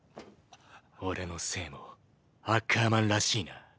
俺の姓もアッカーマンらしいな？